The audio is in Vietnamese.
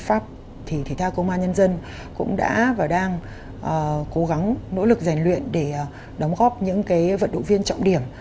pháp thể thao công an nhân dân cũng đã và đang cố gắng nỗ lực rèn luyện để đóng góp những vận động viên trọng điểm